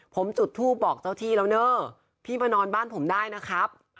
ผมจุดทูปบอกเจ้าที่แล้วเนอะพี่มานอนบ้านผมได้นะครับ